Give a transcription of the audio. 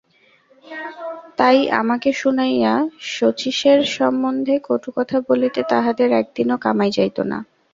তাই আমাকে শুনাইয়া শচীশের সম্বন্ধে কটু কথা বলিতে তাহাদের একদিনও কামাই যাইত না।